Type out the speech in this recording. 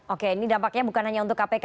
oke ini dampaknya bukan hanya untuk kpk